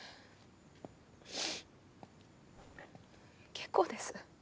結構です。